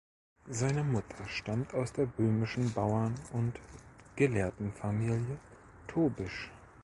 Seine Mutter stammt aus der böhmischen Bauern und Gelehrtenfamilie Tobisch.